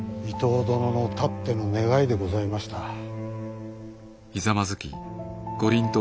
伊東殿のたっての願いでございました。